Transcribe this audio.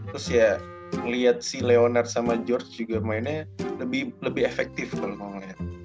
terus ya ngeliat si leonard sama george juga mainnya lebih efektif kalau mau ngeliat